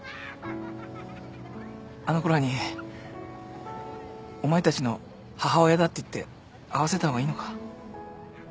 あの子らにお前たちの母親だって言って会わせた方がいいのか？